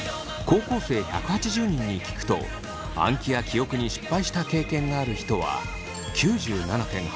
高校生１８０人に聞くと暗記や記憶に失敗した経験がある人は９７．８％。